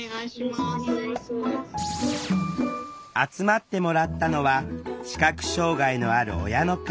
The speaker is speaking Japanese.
集まってもらったのは視覚障害のある親の会